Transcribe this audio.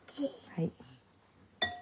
はい。